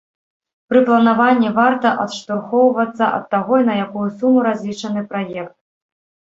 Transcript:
Пры планаванні варта адштурхоўвацца ад таго, на якую суму разлічаны праект.